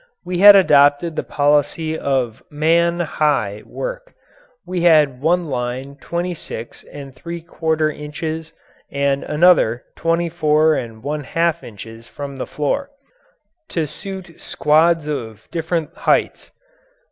We had adopted the policy of "man high" work; we had one line twenty six and three quarter inches and another twenty four and one half inches from the floor to suit squads of different heights.